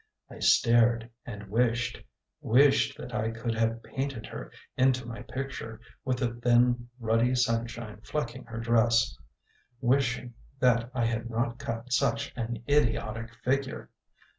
I stared and wished wished that I could have painted her into my picture, with the thin, ruddy sunshine flecking her dress; wished that I had not cut such an idiotic figure.